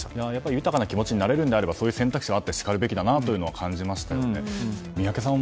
豊かな気持ちになれるのであればそういう選択肢はあってしかるべきだと感じました。